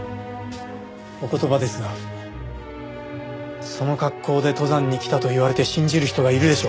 お言葉ですがその格好で登山に来たと言われて信じる人がいるでしょうか？